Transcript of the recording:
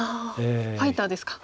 ファイターですか。